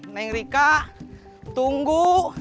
neng rika tunggu